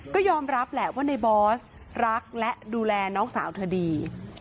ก็ยอมรับแหละว่าในบอสรักและดูแลน้องสาวเธอดี